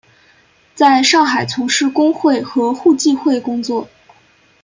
在上海从事工会和互济会工作。